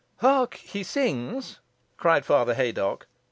"Hark; he sings," cried Father Haydocke.